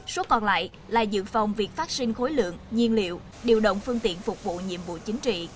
số còn lại là dự phòng việc phát sinh khối lượng nhiên liệu điều động phương tiện phục vụ nhiệm vụ chính trị